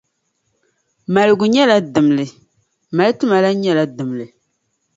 Maligu nyɛla dimli, mali ti ma lan nyɛla dimli.